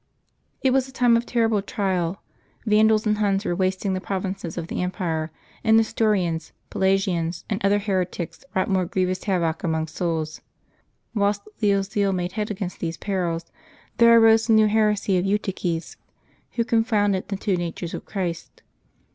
It was a time of terrible trial. Vandals and Huns were wasting the provinces of the em pire, and N'estorians, Pelagians, and other heretics wrought more grievous havoc among souls. Whilst Leo's zeal made head against these perils, there arose the new heresy of Eutyches, who confounded the two natures of Christ.